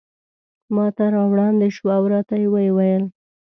ماته را وړاندې شوه او راته ویې ویل.